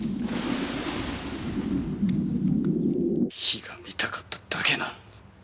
火が見たかっただけなのに。